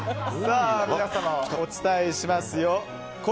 皆様、お伝えしますよ。